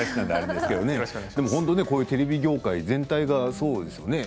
こういうテレビ業界全体がそうですよね。